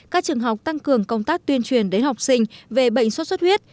các trường học tăng cường công tác tuyên truyền đến học sinh về bệnh suốt suốt huyết